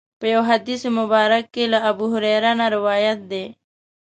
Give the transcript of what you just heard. په یو حدیث مبارک کې له ابوهریره نه روایت دی.